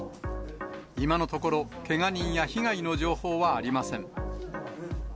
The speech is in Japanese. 今のところけが人や被害の情報はありません。